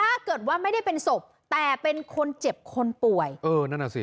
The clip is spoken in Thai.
ถ้าเกิดว่าไม่ได้เป็นศพแต่เป็นคนเจ็บคนป่วยเออนั่นอ่ะสิ